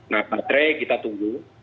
nah baterai kita tunggu